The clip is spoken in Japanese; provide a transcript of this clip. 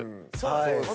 そうですね。